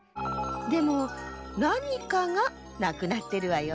でもなにかがなくなってるわよ。